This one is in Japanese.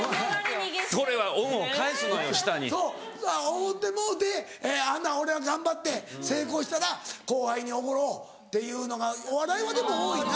おごってもろうて「俺は頑張って成功したら後輩におごろう」っていうのがお笑いはでも多いな。